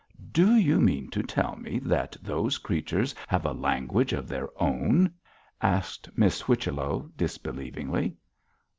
'Do you mean to tell me that those creatures have a language of their own?' asked Miss Whichello, disbelievingly.